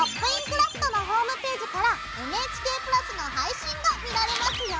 クラフト」のホームページからＮＨＫプラスの配信が見られますよ。